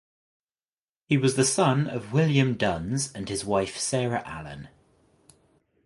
He was the son of William Duns and his wife Sarah Allen.